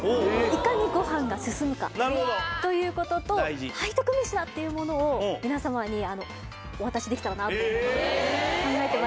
いかにご飯が進むかということと背徳飯だ！っていうものを皆様にお渡しできたらなと考えてまいりました。